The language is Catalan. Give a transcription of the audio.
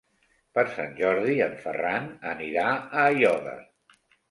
Per Sant Jordi en Ferran anirà a Aiòder.